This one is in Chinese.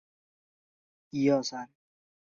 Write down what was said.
阿戈讷地区普雷特。